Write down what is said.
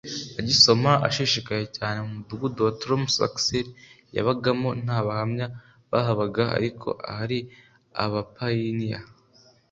agisoma ashishikaye cyane mu mudugudu wa troms aksel yabagamo nta bahamya bahabaga ariko hari abapayiniya